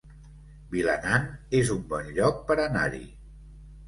Vilanant es un bon lloc per anar-hi